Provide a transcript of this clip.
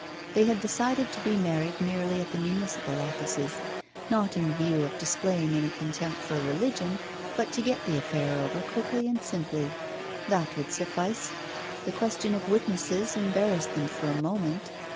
They had decided to be married merely at the municipal offices, not in view of displaying any contempt for religion, but to get the affair over quickly and simply. That would suffice. The question of witnesses embarrassed them for a moment.